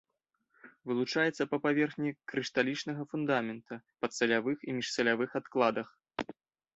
Вылучаецца па паверхні крышталічнага фундамента, падсалявых і міжсалявых адкладах.